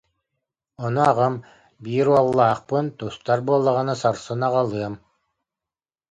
Ону аҕам: «Биир уоллаахпын, тустар буоллаҕына сарсын аҕалыам»